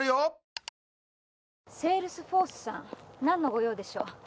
何の御用でしょう？